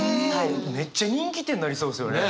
めっちゃ人気店になりそうですよね！